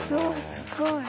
すごい。